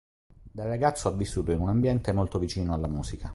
Da ragazzo ha vissuto in un ambiente molto vicino alla musica.